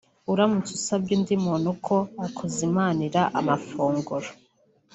Uramutse usabye undi muntu ko akuzimanira amafunguro